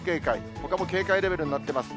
ほかも警戒レベルになってます。